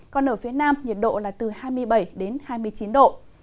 còn ở phía nam nhiệt độ là từ hai mươi bảy đến hai mươi chín độ